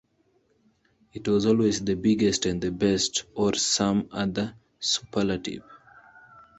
It was always the biggest and the best or some other superlative.